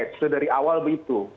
itu dari awal begitu